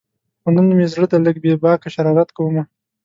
خو نن مې زړه دی لږ بې باکه شرارت کومه